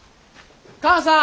母さん！